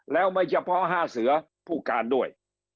แล้วไม่เฉพาะ๕เสือผู้การด้วย